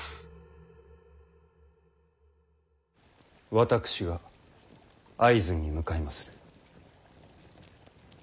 私が会津に向かいまする。